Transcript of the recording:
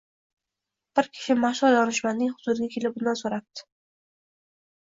Bir kishi mashhur donishmandning huzuriga kelib, undan so‘rabdi: